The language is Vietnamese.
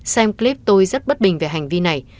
xem clip tôi rất bất bình về hành vi này